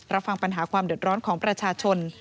รับฟังปัญหาความเดือดร้อนของประชาชน